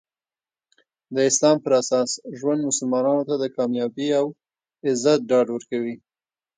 د اسلام پراساس ژوند مسلمانانو ته د کامیابي او عزت ډاډ ورکوي.